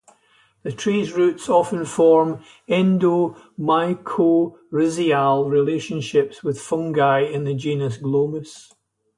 The tree's roots often form endomycorrhizal relationships with fungi in the genus "Glomus".